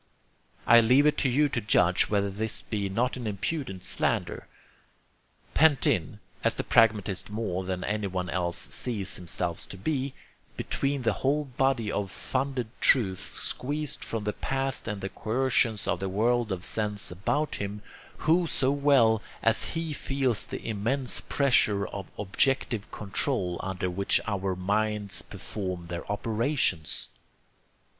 I leave it to you to judge whether this be not an impudent slander. Pent in, as the pragmatist more than anyone else sees himself to be, between the whole body of funded truths squeezed from the past and the coercions of the world of sense about him, who so well as he feels the immense pressure of objective control under which our minds perform their operations?